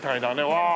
わあ！